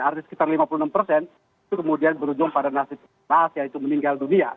artinya sekitar lima puluh enam persen itu kemudian berujung pada nasib ras yaitu meninggal dunia